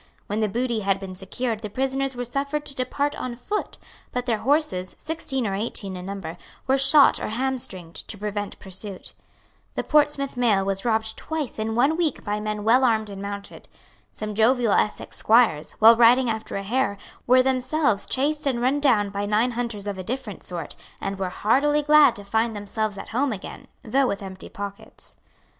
When the booty had been secured the prisoners were suffered to depart on foot; but their horses, sixteen or eighteen in number, were shot or hamstringed, to prevent pursuit. The Portsmouth mail was robbed twice in one week by men well armed and mounted. Some jovial Essex squires, while riding after a hare, were themselves chased and run down by nine hunters of a different sort, and were heartily glad to find themselves at home again, though with empty pockets.